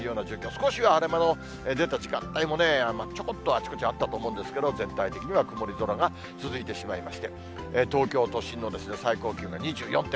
少しは晴れ間の出た時間帯も、ちょこっと、あちこちあったと思うんですけれども、全体的には曇り空が続いてしまいまして、東京都心の最高気温が２４．１度。